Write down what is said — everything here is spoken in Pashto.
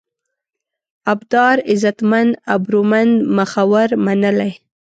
ابدار: عزتمن، ابرومند ، مخور، منلی